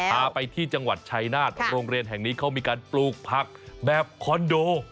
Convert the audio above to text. พาไปที่จังหวัดชายนาฏโรงเรียนแห่งนี้เขามีการปลูกผักแบบคอนโด